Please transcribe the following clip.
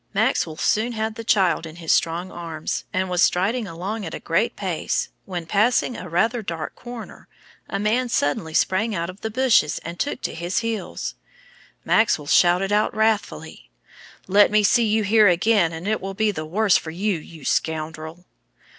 Maxwell soon had the child in his strong arms, and was striding along at a great pace, when passing a rather dark corner, a man suddenly sprang out of the bushes and took to his heels. Maxwell shouted out wrathfully: "Let me see you in here again, and it will be the worse for you, you scoundrel!"